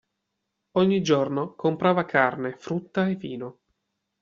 Ogni giorno comprava carne, frutta, e vino.